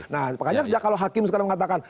nah makanya kalau hakim sekarang mengatakan